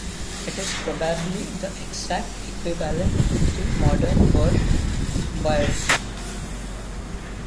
It is probably the exact equivalent of the modern word 'byres'.